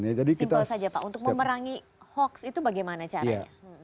simpel saja pak untuk memerangi hoax itu bagaimana caranya